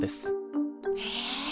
へえ。